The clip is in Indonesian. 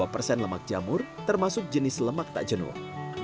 dua puluh persen lemak jamur termasuk jenis lemak tak jenuh